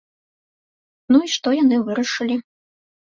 Ну і што яны вырашылі?